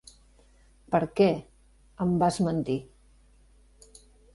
Per què, em vas mentir.